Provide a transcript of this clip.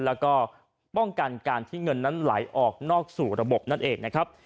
แล้วก็ป้องกันการที่เงินนั้นไหลออกนอกสู่ระบบนั่นเองนะครับ